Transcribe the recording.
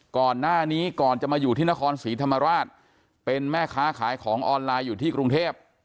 ก่อนหน้านี้ก่อนจะมาอยู่ที่นครศรีธรรมราชเป็นแม่ค้าขายของออนไลน์อยู่ที่กรุงเทพ